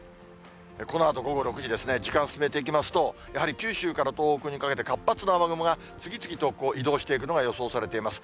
このあと午後６時ですね、時間進めていきますと、やはり九州から東北にかけて、活発な雨雲が次々と移動していくのが予想されています。